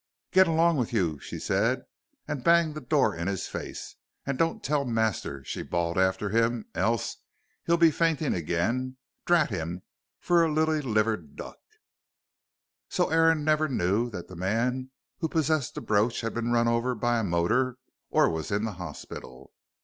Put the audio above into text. "Get along with you," she said, and banged the door in his face. "And don't tell master," she bawled after him, "else he'll be fainting again, drat him for a lily livered duck!" So Aaron never knew that the man who possessed the brooch had been run over by a motor or was in the hospital.